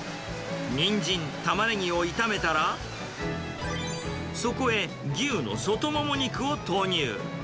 ニンジン、タマネギを炒めたら、そこへ牛の外モモ肉を投入。